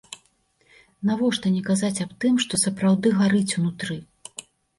Навошта не казаць аб тым што сапраўды гарыць унутры?